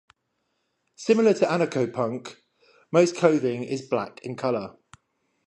Similar to anarcho-punk, most clothing is black in color.